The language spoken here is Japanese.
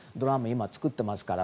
今、作っていますから。